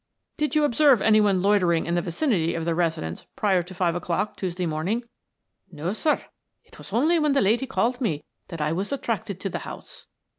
"Did you observe any one loitering in the vicinity of the residence prior to five o'clock, Tuesday morning?" "No, sir. It was only when the lady called to me that I was attracted to the house."